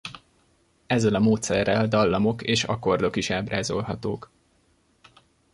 Ezzel a módszerrel dallamok és akkordok is ábrázolhatók.